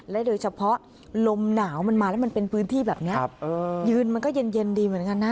โดยเฉพาะลมหนาวมันมาแล้วมันเป็นพื้นที่แบบนี้ยืนมันก็เย็นดีเหมือนกันนะ